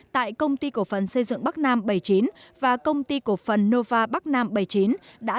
tại công ty cổ phần xây dựng bắc nam bảy mươi chín và công ty cổ phần nova bắc nam bảy mươi chín đã rút một trăm linh vốn tại một số dự án lớn ở đà nẵng